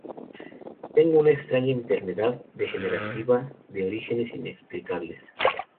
Tengo una extraña enfermedad degenerativa de orígenes inexplicables.